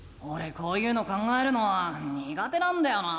こういうの考えるのはにが手なんだよな。